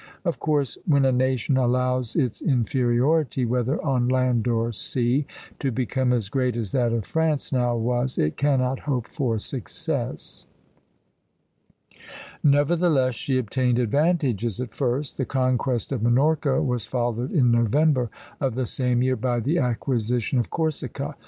Of course when a nation allows its inferiority, whether on land or sea, to become as great as that of France now was, it cannot hope for success. Nevertheless, she obtained advantages at first. The conquest of Minorca was followed in November of the same year by the acquisition of Corsica.